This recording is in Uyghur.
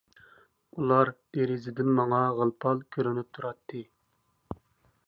ئۇلار دېرىزىدىن ماڭا غىل-پال كۆرۈنۈپ تۇراتتى.